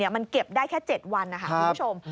มันเก็บได้แค่๗วันนะคะคุณผู้ชม